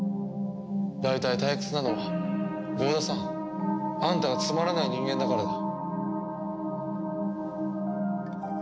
大体退屈なのは豪田さんあんたがつまらない人間だからだ。